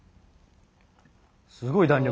すごい弾力。